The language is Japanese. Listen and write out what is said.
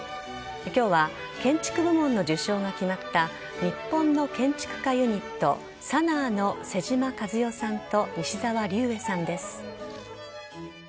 今日は建築部門の受賞が決まった日本の建築家ユニットＳＡＮＡＡの妹島和世さんと西沢立衛さんです。